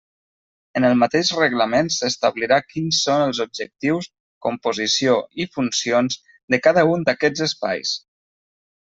En el mateix Reglament s'establirà quins són els objectius, composició i funcions de cada un d'aquests espais.